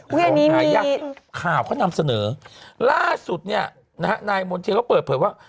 ของนายักษ์ข่าวเขานำเสนอล่าสุดเนี่ยนะฮะนายมนต์เชียร์เขาเปิดเผยว่า